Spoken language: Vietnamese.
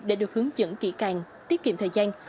để được hướng dẫn kỹ càng tiết kiệm thời gian